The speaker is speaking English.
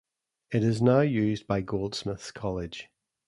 It is now used by Goldsmiths College.